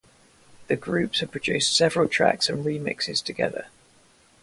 The groups has produced several tracks and remixes together.